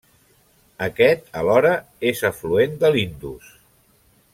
Aquest, alhora, és afluent de l'Indus.